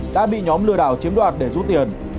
đã bị nhóm lừa đảo chiếm đoạt để rút tiền